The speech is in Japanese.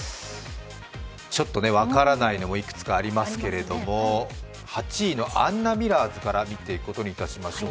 ちょっと分からないのもいくつかありますけれども、８位のアンナミラーズから見ていくことにいたしましょう。